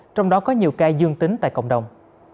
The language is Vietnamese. trong đó có nhiều ca dương tính tại cộng đồng